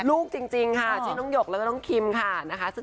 รูปจริงไหมพี่แจ๊